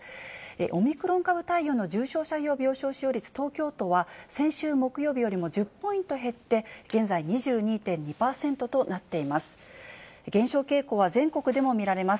オミクロン株対応の重症者用病床使用率、東京都は先週木曜日より１０ポイント減って、現在２２．２％となっています。